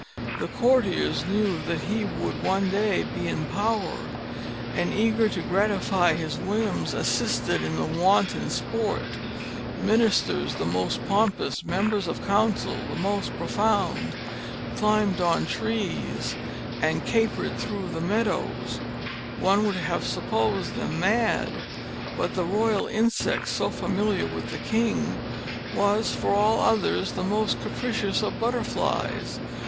The courtiers knew that he would one day be in power, and, eager to gratify his whims, assisted in the wanton sport: ministers the most pompous, members of council the most profound, climbed on trees, and capered through the meadows, one would have supposed them mad. But the royal insect, so familiar with the king, was for all others the most capricious of butterflies.